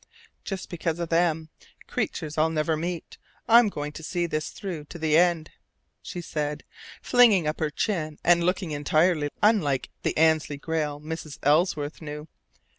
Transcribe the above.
"Just because of them creatures I'll never meet I'm going to see this through to the end," she said, flinging up her chin and looking entirely unlike the Annesley Grayle Mrs. Ellsworth knew.